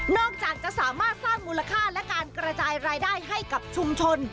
จะสามารถสร้างมูลค่าและการกระจายรายได้ให้กับชุมชน